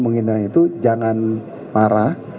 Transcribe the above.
menghina itu jangan marah